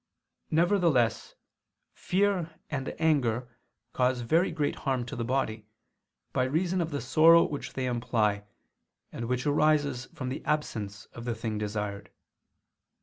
Nevertheless fear and anger cause very great harm to the body, by reason of the sorrow which they imply, and which arises from the absence of the thing desired.